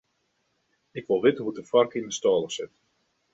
Ik wol witte hoe't de foarke yn 'e stâle sit.